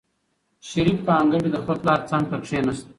شریف په انګړ کې د خپل پلار څنګ ته کېناست.